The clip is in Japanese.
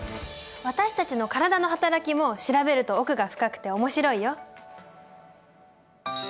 私たちの体の働きも調べると奥が深くて面白いよ。